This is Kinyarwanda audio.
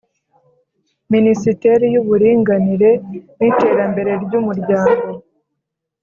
Minisiteri y’uburinganire n’iterambere ry’umuryango